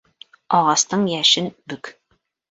Ағастың йәшен бөк.